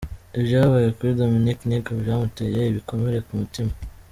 Ibyabaye kuri Dominic Nic byamuteye ibikomere ku mutima.